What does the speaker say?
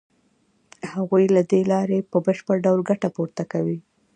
هغوی له دې لارې په بشپړ ډول ګټه پورته کوي